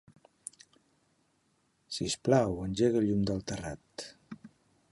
Sisplau, engega el llum del terrat.